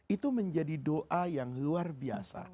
itu menjadi doa yang luar biasa